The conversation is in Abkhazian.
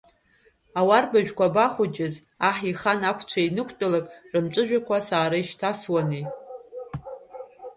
Ауарбажәқәа абахәҷыз, аҳ ихан ақәцәа ианықәтәалакь рымҵәыжәҩақәа асара ишьҭасуанеи.